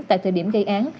tại thời điểm gây án